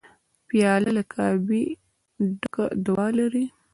پیاله له کعبې ډکه دعا لري.